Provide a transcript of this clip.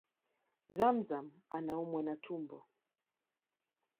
ZamZam anaumwa na tumbo